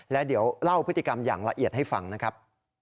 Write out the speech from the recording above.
และเดี๋ยวเล่าพฤติกรรมอย่างละเอียดให้ฟังนะครับ